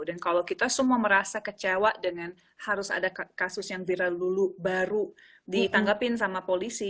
dan kalau kita semua merasa kecewa dengan harus ada kasus yang viral dulu baru ditanggapin sama polisi